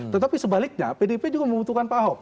tetapi sebaliknya pdip juga membutuhkan pak ahok